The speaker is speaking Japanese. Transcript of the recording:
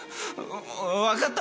わかった。